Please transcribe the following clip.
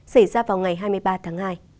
xảy ra vào ngày hai mươi ba tháng hai